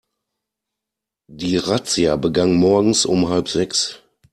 Die Razzia begann morgens um halb sechs.